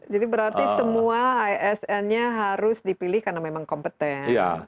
jadi berarti semua isn nya harus dipilih karena memang kompeten